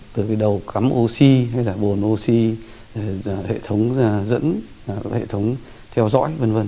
từ cái đầu cắm oxy hay là bồn oxy hệ thống dẫn hệ thống theo dõi v v